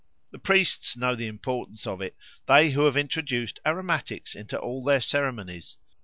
The priests know the importance of it, they who have introduced aromatics into all their ceremonies.